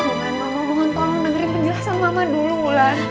bukan mama mohon tolong dengerin penjelasan mama dulu ulan